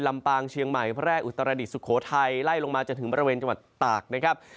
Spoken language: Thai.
ลำปางเชียงใหม่แพร่อุตรดิษฐสุโขทัยไล่ลงมาจนถึงบริเวณจังหวัดตากนะครับ